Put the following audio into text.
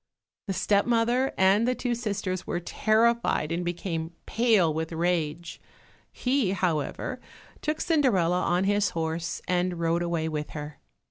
The step mother and the two sisters were terrified and became pale with rage; he, however, took Cinderella on his horse and rode away with her.